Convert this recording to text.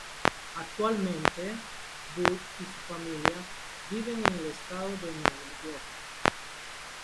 Actualmente, Boot y su familia viven en el estado de Nueva York.